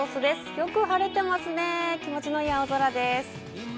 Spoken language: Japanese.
よく晴れてますね、気持ちのいい青空です。